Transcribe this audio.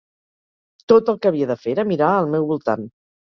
Tot el que havia de fer era mirar al meu voltant.